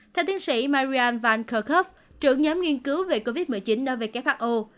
thầy tiến sĩ marianne van kerkhove trưởng nhóm nghiên cứu về covid một mươi chín ở who